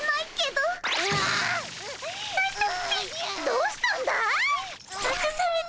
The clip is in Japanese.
どうしたんだい？